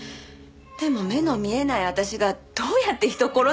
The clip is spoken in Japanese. でも目の見えない私がどうやって人を殺すんですか？